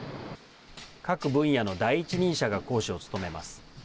各分野の第一人者が講師を務めます。